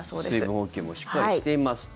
水分補給もしっかりしていますと。